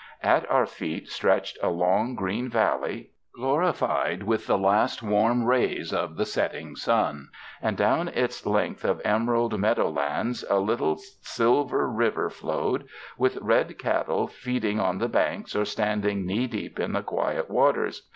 At our feet stretched a long green valley glorified with the last warm rays of the setting sun, and down its length of emerald meadow lands a little silver river flowed, with red cattle feeding on the banks or standing knee deep in the quiet waters.